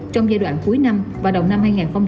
trong giai đoạn cuối năm và đồng năm hai nghìn hai mươi ba